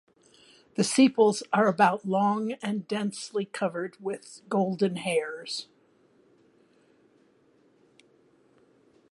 The sepals are about long and densely covered with golden hairs.